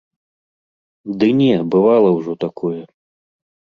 Ды не, бывала ўжо такое.